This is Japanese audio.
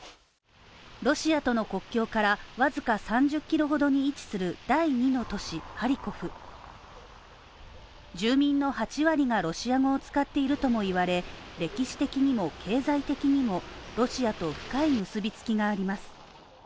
ロシアとの国境からわずか３０キロほどに位置する第２の都市、ハリコフ住民の８割がロシア語を使っているとも言われ、歴史的にも経済的にもロシアと深い結びつきがあります。